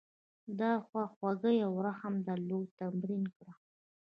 د خواخوږۍ او رحم درلودل تمرین کړه.